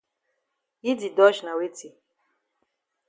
Yi di dodge na weti?